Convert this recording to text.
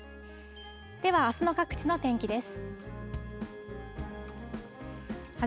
ではあすの各地の天気です。